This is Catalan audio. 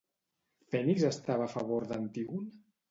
Fènix estava a favor d'Antígon?